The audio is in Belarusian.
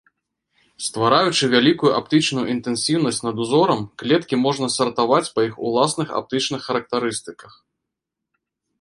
Ствараючы вялікую аптычную інтэнсіўнасць над узорам, клеткі можна сартаваць па іх уласных аптычных характарыстыках.